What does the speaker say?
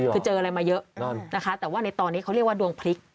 คือเจออะไรมาเยอะนะคะแต่ว่าในตอนนี้เขาเรียกว่าดวงพลิก